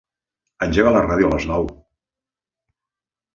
Engega la ràdio a les nou.